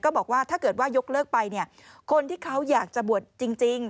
บอกว่าถ้าเกิดว่ายกเลิกไปเนี่ยคนที่เขาอยากจะบวชจริง